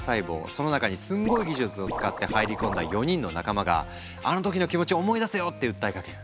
その中にすんごい技術を使って入り込んだ４人の仲間があの時の気持ち思い出せよって訴えかける。